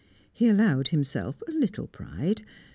He allowed himself a little pride.